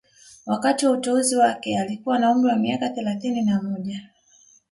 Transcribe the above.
Wakati wa uteuzi wake alikuwa na umri wa miaka thelathini na moja